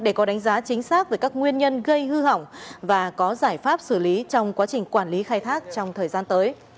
để có đánh giá chính xác về các nguyên nhân gây hư hỏng và có giải pháp xử lý trong quá trình quản lý khai thác trong thời gian tới